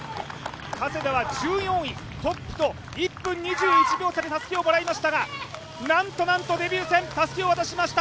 加世田は１４位、トップと１分２１秒差でたすきをもらいましたがなんとなんとデビュー戦、たすきを渡しました